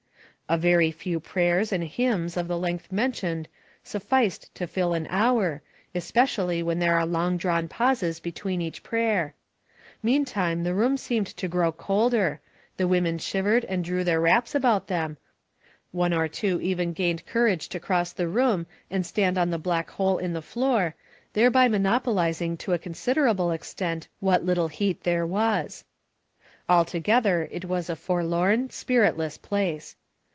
A very few prayers and hymns of the length mentioned sufficed to fill an hour, especially when there are long drawn pauses between each prayer. Meantime the room seemed to grow colder, the women shivered and drew their wraps about them, one or two even gained courage to cross the room and stand on the black hole in the floor, thereby monopolizing to a con siderable extent what little heat there was. Al together it was a forlorn, spiritless place.